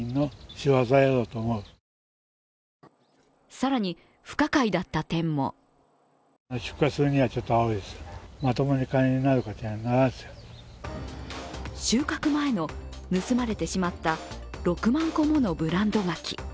更に、不可解だった点も収穫前の盗まれてしまった６万個ものブランド柿。